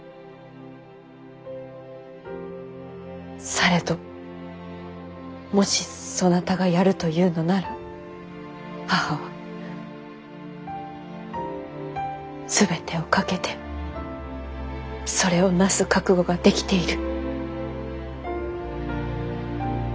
されどもしそなたがやるというのなら母は全てを懸けてそれをなす覚悟ができている。